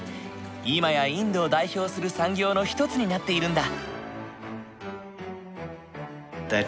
今やインドを代表する産業の一つになっているんだ。